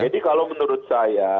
jadi kalau menurut saya